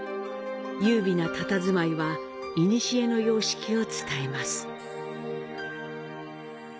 優美なたたずまいはいにしえの様式を伝えます。